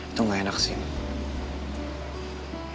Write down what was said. itu nggak enak sini